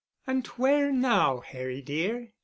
"And where now, Harry dear?"